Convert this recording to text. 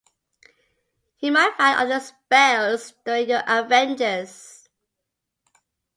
You might find other spells during your adventures.